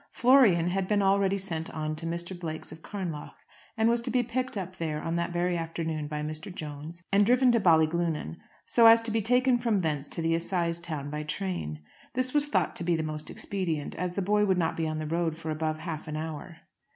Florian had been already sent on to Mr. Blake's of Carnlough, and was to be picked up there on that very afternoon by Mr. Jones, and driven to Ballyglunin, so as to be taken from thence to the assize town by train. This was thought to be most expedient, as the boy would not be on the road for above half an hour.